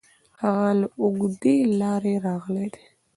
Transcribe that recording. هغه له اوږدې لارې راغلی دی.